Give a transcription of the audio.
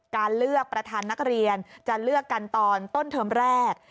การเลือกประธานนักเรียนจะเลือกกันตอนต้นเทอมแรก